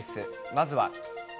まずは。